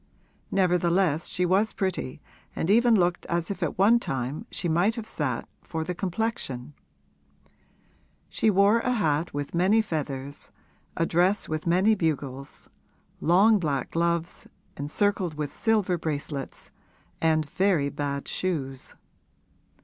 Nevertheless she was pretty and even looked as if at one time she might have sat for the complexion. She wore a hat with many feathers, a dress with many bugles, long black gloves, encircled with silver bracelets, and very bad shoes.